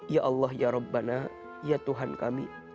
ya allah ya rabbana ya tuhan kami